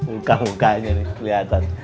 muka mukanya nih keliatan